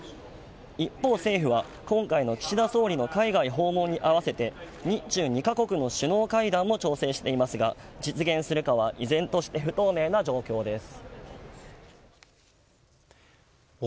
一方、政府は今回の岸田総理の海外訪問に合わせて日中２か国の首脳会談を調整していますが実現するかは依然として不透明な状況です。